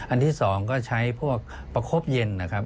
อันที่๒ก็ใช้พวกประคบเย็นนะครับ